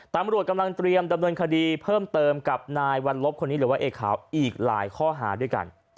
ตำรวจกำลังเตรียมดำเนินคดีเพิ่มเติมกับนายวัลลบคนนี้หรือว่าเอกขาวอีกหลายข้อหาด้วยกัน